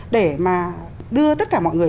để mà đưa tất cả mọi người